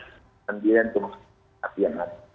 dan kemudian kita kemas kasihan